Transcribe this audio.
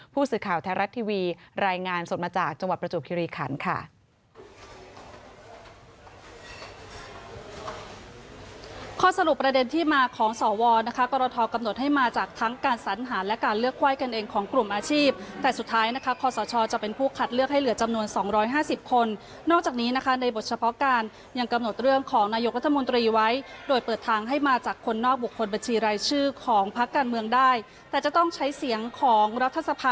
ผู้สื่อข่าวแท้รักทีวีรายงานส่วนมาจากจังหวัดประจูบคิริครรภ์